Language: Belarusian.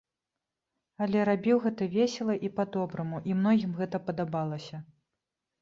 Але рабіў гэта весела і па-добраму, і многім гэта падабалася.